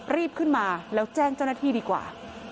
รีบขึ้นมาแล้วแจ้งเจ้าหน้าที่ดีกว่า